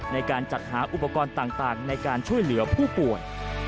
ในการจัดหาอุปกรณ์ต่างในการช่วยเหลือผู้ป่วย